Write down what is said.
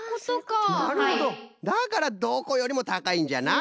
だからどこよりもたかいんじゃな。